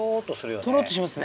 トロっとしますね。